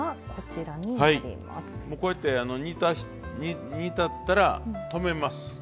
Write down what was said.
もうこうやって煮立ったら止めます。